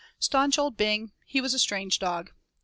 Staunch old Bing he was a strange dog.